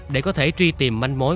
để có thể truy tìm manh mối